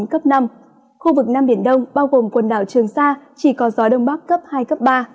trên biển khu vực bắc và giữa biển đông bao gồm quần đảo trường sa chỉ có gió đông bắc cấp hai cấp ba